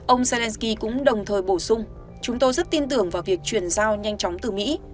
ông zelensky cũng đồng thời bổ sung chúng tôi rất tin tưởng vào việc chuyển giao nhanh chóng từ mỹ